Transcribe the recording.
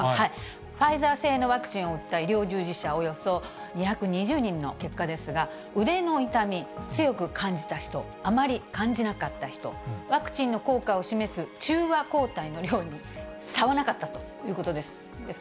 ファイザー製のワクチンを打った医療従事者、およそ２２０人の結果ですが、腕の痛み、強く感じた人、あまり感じなかった人、ワクチンの効果を示す中和抗体の量に差はなかったということです。